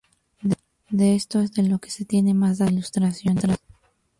De esto es de lo que se tienen más datos e ilustraciones.